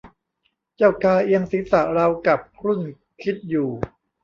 เจ้ากาเอียงศีรษะราวกับครุ่นคิดอยู่